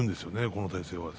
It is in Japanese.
この体勢は。